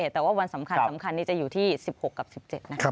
แต่ว่าวันสำคัญนี้จะอยู่ที่๑๖กับ๑๗นะครับ